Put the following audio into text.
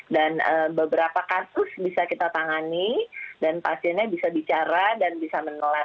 dan beberapa kasus bisa kita tangani dan pasiennya bisa bicara dan bisa menelan